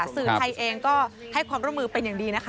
สื่อไทยเองก็ให้ความร่วมมือเป็นอย่างดีนะคะ